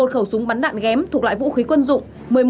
một khẩu súng bắn đạn ghém thuộc loại vũ khí quân dụng